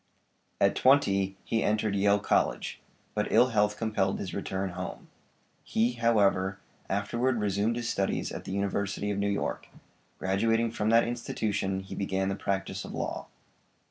At twenty he entered Yale College, but ill health compelled his return home. He, however, afterward resumed his studies at the University of New York; graduating from that institution he began the practice of law.